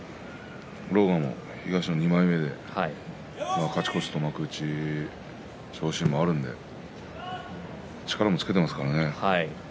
狼雅も東の２枚目で勝ち越すと幕内昇進もあるので力もつけていますからね。